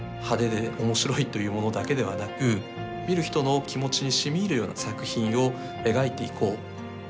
派手で面白いというものだけではなく見る人の気持ちにしみいるような作品を描いていこう。